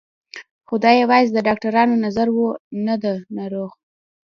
خو دا يوازې د ډاکترانو نظر و نه د ناروغ.